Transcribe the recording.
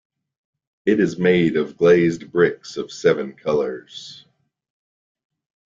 It is made of glazed bricks of seven-colors.